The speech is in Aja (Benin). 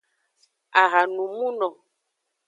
Ahanumuno.